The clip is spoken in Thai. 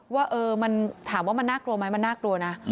ว่ามันถามว่ามันน่ากลัวไหมมันน่ากลัวนะ